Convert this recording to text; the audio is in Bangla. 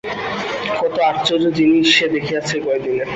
কত আশ্চর্য জিনিস সে দেখিয়াছে এই কয়দিনে!